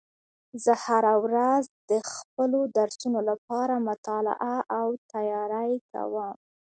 زه هره ورځ د خپلو درسونو لپاره مطالعه او تیاری کوم